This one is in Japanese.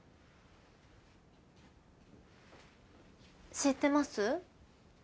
知ってます？